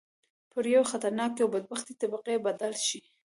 پر یوې خطرناکې او بدبختې طبقې بدل شي.